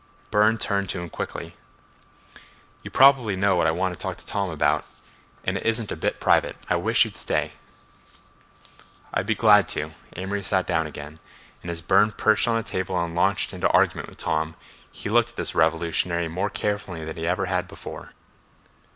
Burne turned to him quickly. "You probably know what I want to talk to Tom about, and it isn't a bit private. I wish you'd stay." "I'd be glad to." Amory sat down again, and as Burne perched on a table and launched into argument with Tom, he looked at this revolutionary more carefully than he ever had before.